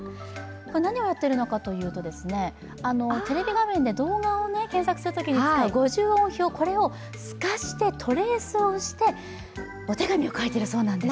何をやっているのかといいますと、テレビ画面で動画を検索するときに使う五十音表を、透かしてトレースをしてお手紙を書いてるそうなんです。